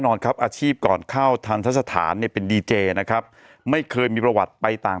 นอนครับอาชีพก่อนเข้าทันทะสถานเนี่ยเป็นดีเจนะครับไม่เคยมีประวัติไปต่าง